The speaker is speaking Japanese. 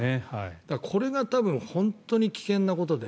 これが多分、本当に危険なことで。